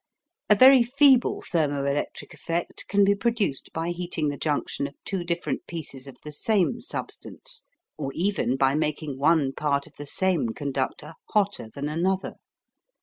A very feeble thermo electric effect can be produced by heating the junction of two different pieces of the same substance, or even by making one part of the same conductor hotter than another.